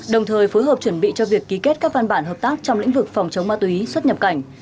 đồng thời phối hợp chuẩn bị cho việc ký kết các văn bản hợp tác trong lĩnh vực phòng chống ma túy xuất nhập cảnh